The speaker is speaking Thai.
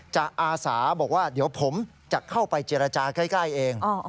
อาสาบอกว่าเดี๋ยวผมจะเข้าไปเจรจาใกล้เอง